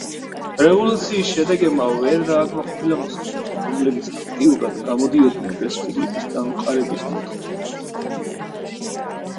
რევოლუციის შედეგებმა ვერ დააკმაყოფილა მოსახლეობა, რომლებიც აქტიურად გამოდიოდნენ რესპუბლიკის დამყარების მოთხოვნით.